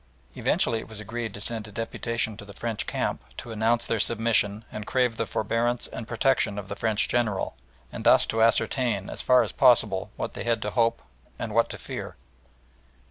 Eventually it was agreed to send a deputation to the French camp to announce their submission and crave the forbearance and protection of the French General, and thus to ascertain as far as possible what they had to hope and what to fear.